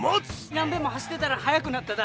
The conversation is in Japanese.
何べんも走ってたら速くなっただ。